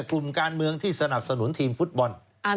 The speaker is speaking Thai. กลุ่มการเมืองที่สนับสนุนทีมฟุตบอล